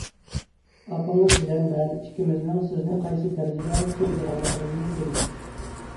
ئاپىڭىز بىلەن مەن ئىككىمىزنىڭ سىزنى قايسى دەرىجىدە سۆيىدىغانلىقىمىزنى بىلىسىز.